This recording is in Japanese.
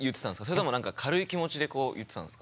それとも何か軽い気持ちでこう言ってたんですか？